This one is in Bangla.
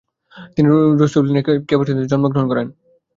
তিনি রৌসেলিনের ক্যাবেস্টানিতে জন্মগ্রহণ করেন।